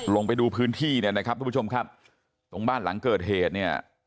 ลงไปดูพื้นที่เนี่ยนะครับทุกผู้ชมครับตรงบ้านหลังเกิดเหตุเนี่ย